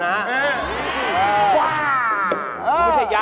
มีความรู้สึกว่า